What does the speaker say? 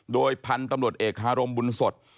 โดยพันธุ์ตำรวจเอกฮารมบุญสด